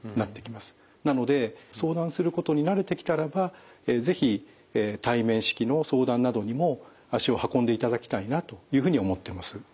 なので相談することに慣れてきたらば是非対面式の相談などにも足を運んでいただきたいなというふうに思ってます。